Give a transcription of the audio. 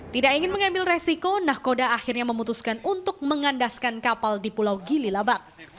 tidak ingin mengambil resiko nakoda akhirnya memutuskan untuk mengandaskan kapal di pulau gililabak